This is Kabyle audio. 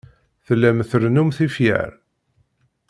Tellam trennum tifyar.